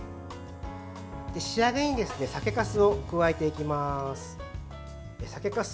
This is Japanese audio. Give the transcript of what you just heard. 仕上げに酒かすを加えていきます。